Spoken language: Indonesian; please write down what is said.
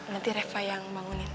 nanti reva yang bangunin